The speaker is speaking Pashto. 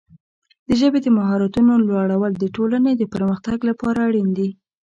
د ژبې د مهارتونو لوړول د ټولنې د پرمختګ لپاره اړین دي.